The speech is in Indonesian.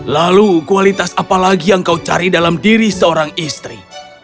lalu kualitas apa lagi yang kau cari dalam diri seorang istri